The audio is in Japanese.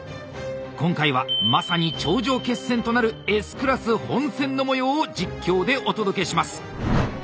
今回はまさに頂上決戦となるＳクラス本戦の模様を実況でお届けします。